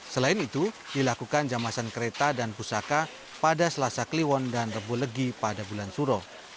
selain itu dilakukan jamasan kereta dan pusaka pada selasa kliwon dan rebulegi pada bulan suro